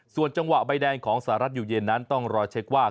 ส่วนจังหวะใบแดงของสหรัฐอยู่เย็นนั้นต้องรอเช็คว่า